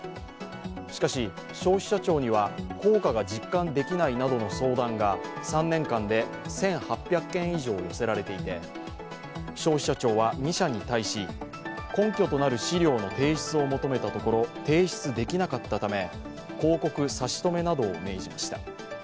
しかし消費者庁には効果が実感できないなどの相談が３年間で１８００件以上寄せられていて消費者庁は２社に対し、根拠となる資料の提出を求めたところ、提出できなかったため、広告差し止めなどを命じました。